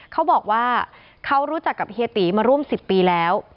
เขาบอกว่าเขารู้จักกับเฮียตีมาร่วม๑๐ปีแล้ว